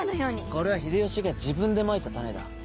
これは秀吉が自分でまいた種だ。